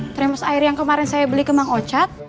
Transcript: tremos air yang kemarin saya beli ke mang ocet